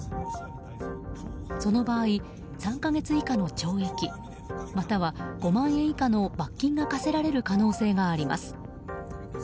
その場合、３か月以下の懲役または５万円以下の罰金が科せられる可能性があります。